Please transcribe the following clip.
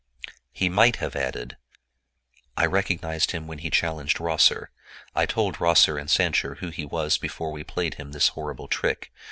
He might have added: "I recognized him when he challenged Rosser. I told Rosser and Sancher who he was before we played him this horrible trick.